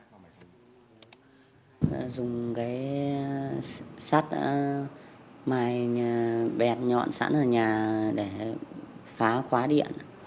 mình đã dùng cái sắt máy bẹt nhọn sẵn ở nhà để phá khóa điện